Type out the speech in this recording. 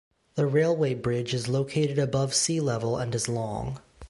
The railway bridge is located above sea level and is long.